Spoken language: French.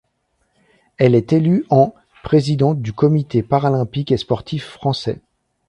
Elle est élue en présidente du Comité paralympique et sportif français.